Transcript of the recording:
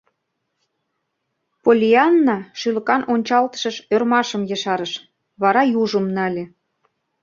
Поллианна шӱлыкан ончалтышыш ӧрмашым ешарыш, вара южым нале: